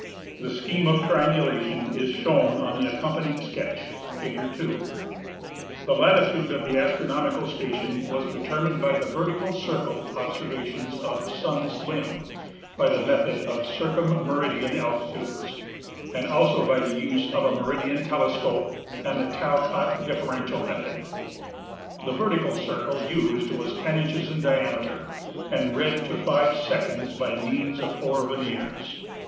The scheme of triangulation is shown on the accompanjdng sketch (figure 2). The latitude of the astronomical station was determined by Results of cJironometric Tours. 65 vertical circle observations of the sun's limb by the method of circum meridian altitudes and also by the use of a meridian telescope and the Talcott differential method. The vertical circle used was ten inches in diameter and read to five seconds by means of four verniers.